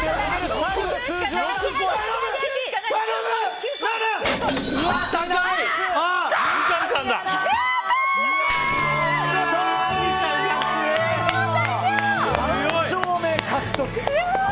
３勝目獲得。